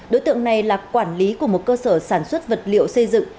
đối tượng này là quản lý của một cơ sở sản xuất vật liệu xây dựng